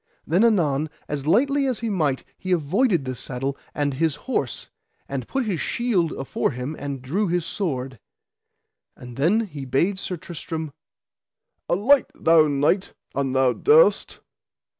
Then anon as lightly as he might he avoided the saddle and his horse, and put his shield afore him and drew his sword. And then he bade Sir Tristram: Alight, thou knight, an thou durst.